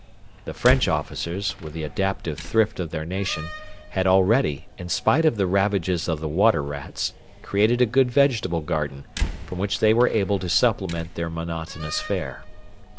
The French officers, with the adaptive thrift of their nation, had already, in spite of the ravages of the water rats, created a good vegetable garden, from which they were able to supplement their monotonous fare.